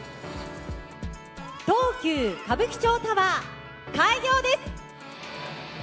東急歌舞伎町タワー開業です！